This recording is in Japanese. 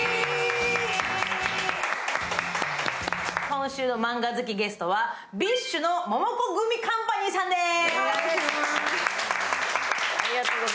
今週のマンガ好きゲストはＢｉＳＨのモモコグミカンパニーさんです。